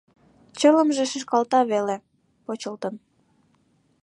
Чылымже шӱшкалта веле — почылтын.